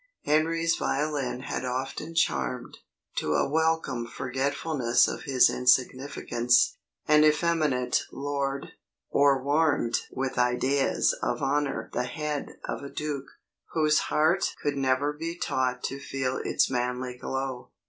Henry's violin had often charmed, to a welcome forgetfulness of his insignificance, an effeminate lord; or warmed with ideas of honour the head of a duke, whose heart could never be taught to feel its manly glow.